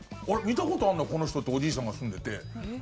見たことあるなこの人っておじいさんが住んでて。